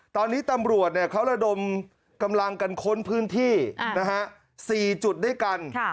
ตอนนี้ตำรวจเขาระดมกำลังกันค้นพื้นที่๔จุดด้วยกัน